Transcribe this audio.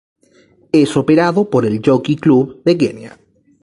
Es operado por el Jockey Club de Kenia.